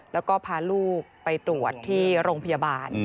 แล้วก็พาลูกไปตรวจที่โรงพยาบาล